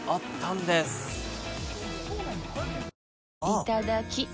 いただきっ！